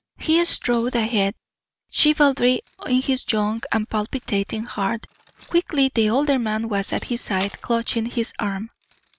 He strode ahead, chivalry in his young and palpitating heart. Quickly the older man was at his side, clutching his arm.